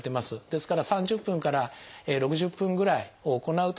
ですから３０分から６０分ぐらいを行うとですね